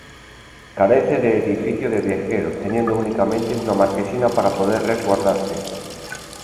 Carece de edificio de viajeros, teniendo únicamente una marquesina para poder resguardarse.